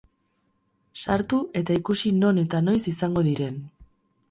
Sartu eta ikusi non eta noiz izango diren.